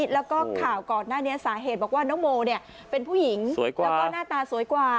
แล้วก็ข่าวก่อนหน้านี้สาเหตุบอกว่าน้องโมเป็นผู้หญิงแล้วก็หน้าตาสวยกว่า